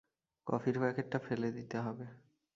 কফির প্যাকেটটা ফেলে দিতে হবে।